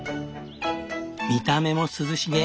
見た目も涼しげ。